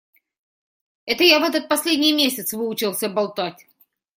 Это я в этот последний месяц выучился болтать.